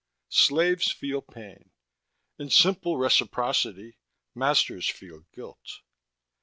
Slaves feel pain. In simple reciprocity, masters feel guilt.